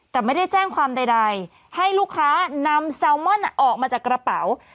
แต่ไม่ได้แจ้งความใดให้ลูกค้านำแซลมอนออกมาจากกระเป๋า